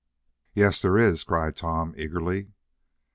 "Yes, there is!" cried Tom, eagerly.